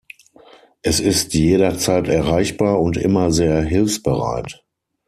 Es ist jederzeit erreichbar und immer sehr hilfsbereit.